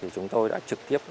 chúng tôi đã trực tiếp